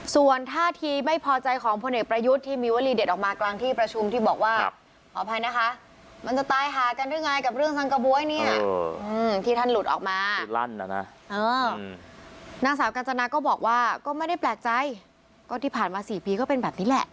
สวัสดีครับสวัสดีครับ